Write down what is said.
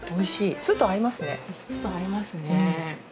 酢と合いますね。